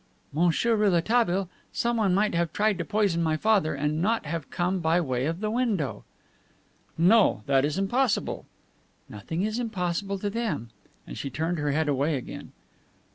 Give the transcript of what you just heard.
'" "Monsieur Rouletabille, someone might have tried to poison my father, and not have come by way of the window." "No, that is impossible." "Nothing is impossible to them." And she turned her head away again.